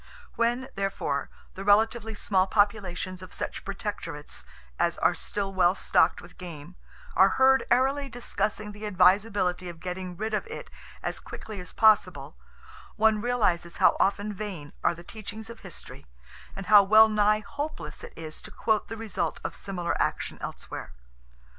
When, therefore, the relatively small populations of such protectorates as are still well stocked with game are heard airily discussing the advisability of getting rid of it as quickly as possible, one realizes how often vain are the teachings of history, and how well nigh hopeless it is to quote the result of similar action elsewhere.